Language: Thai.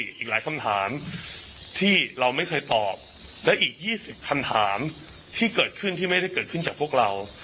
อีกหลายคำถามที่เราไม่เคยตอบและอีก๒๐คำถามที่เกิดขึ้นที่ไม่ได้เกิดขึ้นจากพวกเรา